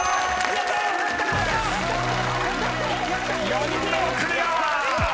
［４人目もクリア！］